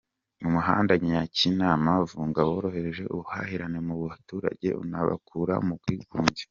Umuhanda Nyakinama-Vunga woroheje ubuhahirane mu baturage unabakura mu bwigunge.